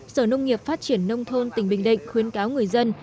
sở nông nghiệp phát triển nông thôn tỉnh bình định khuyến cáo người dân